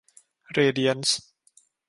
เรเดียนซ์